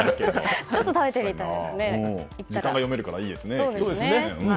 時間が読めるからいいですね。